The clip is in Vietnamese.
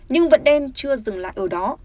nhưng vận đen chưa dừng lại ở đó